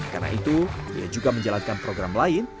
karena itu ia juga menjalankan program lain